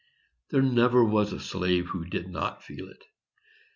There never was a slave who did not feel it.